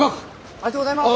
ありがとうございます！